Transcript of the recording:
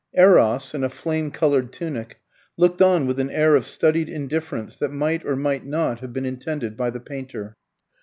Eros, in a flame coloured tunic, looked on with an air of studied indifference that might or might not have been intended by the painter.